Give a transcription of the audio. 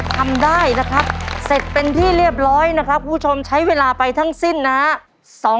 ทำได้นะครับเสร็จเป็นที่เรียบร้อยนะครับคุณผู้ชมใช้เวลาไปทั้งสิ้นนะฮะ